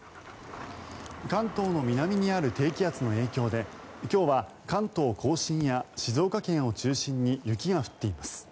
関東の南にある低気圧の影響で今日は関東・甲信や静岡県を中心に雪が降っています。